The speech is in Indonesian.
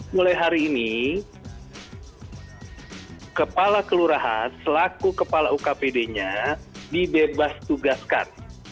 mulai hari ini kepala kelurahan selaku kepala ukpd nya dibebas tugaskan